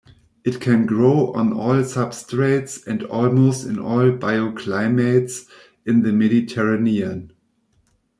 It can grow on all substrates and almost in all bioclimates in the Mediterranean.